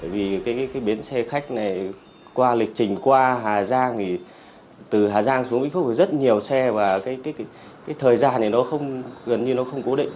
vì cái bến xe khách này qua lịch trình qua hà giang thì từ hà giang xuống vĩnh phúc thì rất nhiều xe và cái thời gian này nó không gần như nó không cố định